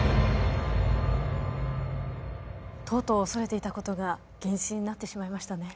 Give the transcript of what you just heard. とうとう恐れていたことが現実になってしまいましたね。